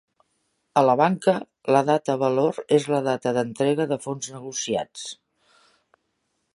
A la banca, la data valor és la data d'entrega de fons negociats.